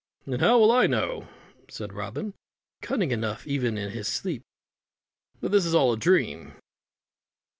"And how will I know," said Robin cunning enough, even in his sleep "but this is all a dream?"